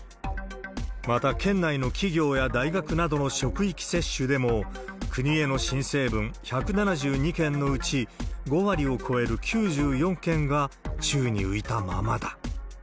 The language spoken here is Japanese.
また、県内の企業や大学などの職域接種でも、国への申請分１７２件のうち、５割を超える９４件が宙に浮いたままだ。